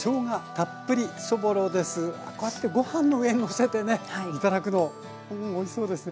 こうやってご飯の上にのせてね頂くのうんおいしそうですね。